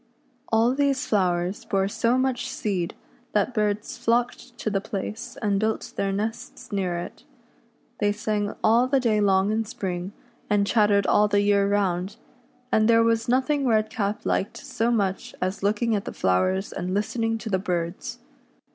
All these flowers bore so much seed that birds flocked to the place and built their nests near it. They sang all the day long in spring, and chattered all the year round, and there was nothing Redcap liked so much as looking at the flowers and listening to the birds.